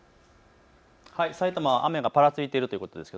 埼玉、雨がぱらついているということです。